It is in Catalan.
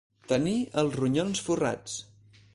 Tenir els ronyons forrats.